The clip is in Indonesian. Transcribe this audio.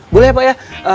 boleh pak ya